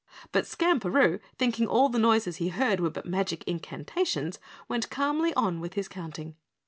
But Skamperoo, thinking all the noises he heard were but magic incantations, went calmly on with his counting.